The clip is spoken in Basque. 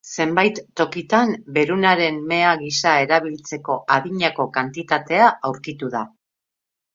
Zenbait tokitan berunaren mea gisa erabiltzeko adinako kantitatea aurkitu da.